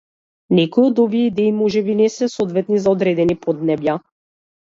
Некои од овие идеи можеби не се соодветни за одредени поднебја.